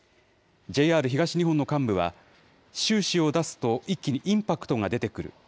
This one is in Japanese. ＪＲ東日本の幹部は収支を出すと、一気にインパクトが出てくる。